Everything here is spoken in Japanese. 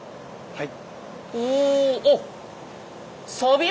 はい。